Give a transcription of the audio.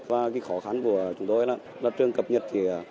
và cái khó khăn của chúng tôi là trường cập nhật